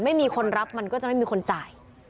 ไม่มีคนรับมันก็จะไม่มีคนจ่าย